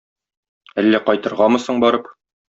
Әллә кайтыргамы соң барып?